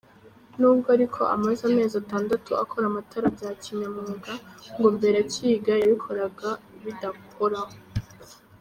Nubwo ariko amaze amezi atandatu akora amatara bya kinyamwuga, ngo mbere akiga yabikoraga bidahoraho.